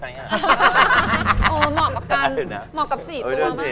อโหมากกับกัน